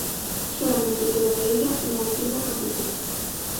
Solamente queda de ella una antigua capilla.